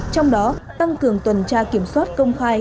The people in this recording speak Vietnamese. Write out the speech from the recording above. trong đó tăng cường tuần tra kiểm soát công khai